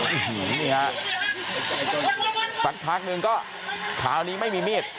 นี่ฮะสักพักหนึ่งก็คราวนี้ไม่มีมีด